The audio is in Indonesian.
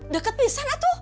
deket bisa atu